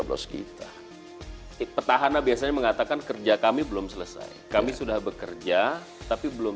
plus kita petahana biasanya mengatakan kerja kami belum selesai kami sudah bekerja tapi belum